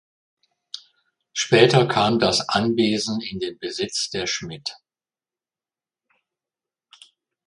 Später kam das Anwesen in den Besitz der Schmidt.